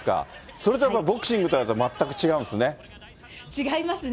それとはボクシングは全く違うん違いますね。